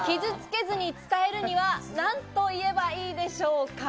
傷付けずに伝えるにはなんと言えばいいでしょうか？